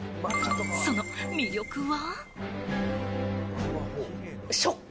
その魅力は。